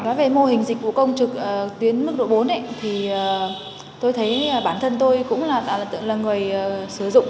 nói về mô hình dịch vụ công trực tuyến mức độ bốn thì tôi thấy bản thân tôi cũng là tượng là người sử dụng